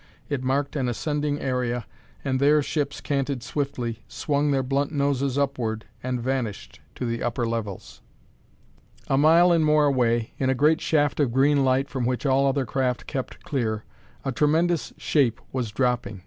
It marked an ascending area, and there ships canted swiftly, swung their blunt noses upward, and vanished, to the upper levels. A mile and more away, in a great shaft of green light from which all other craft kept clear, a tremendous shape was dropping.